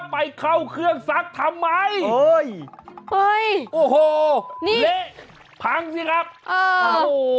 ไปเข้าเครื่องสักทำไมเอ้ยเอยโอ้โหหละผมครับเออ